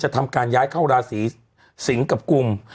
ทำการย้ายเข้าราศีสิงศ์กับกลุ่ม